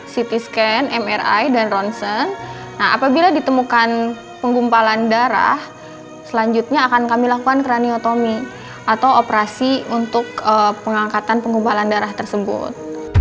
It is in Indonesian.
ct scan mri dan ronsen apabila ditemukan penggumpalan darah selanjutnya akan kami lakukan kraniotomi atau operasi untuk pengangkatan penggumpalan darah tersebut